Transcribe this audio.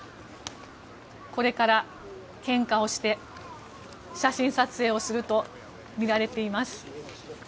これから献花をして写真撮影をするとみられています。